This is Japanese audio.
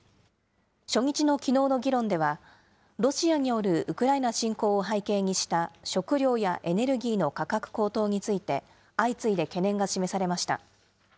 初日のきのうの議論では、ロシアによるウクライナ侵攻を背景にした、食料やエネルギーの価格高騰について、相次いで懸念が示されました。